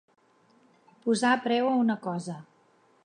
Posar preu a una cosa.